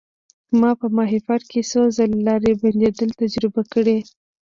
ما په ماهیپر کې څو ځله لارې بندیدل تجربه کړي.